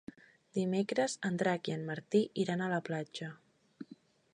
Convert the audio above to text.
Dimecres en Drac i en Martí iran a la platja.